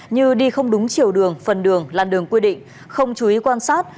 như đi không đúng chiều đường phần đường làn đường quy định không chú ý quan sát